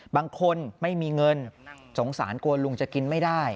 บางคนไม่มีเงินสงสารกวนลุงจะกินไม่ได้